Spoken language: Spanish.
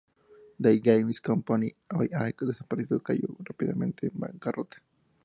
The Games Company hoy ha desaparecido, cayó rápidamente en bancarrota.